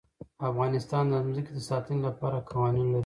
افغانستان د ځمکه د ساتنې لپاره قوانین لري.